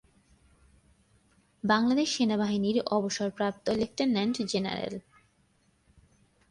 বাংলাদেশ সেনাবাহিনীর অবসরপ্রাপ্ত lieutenant general.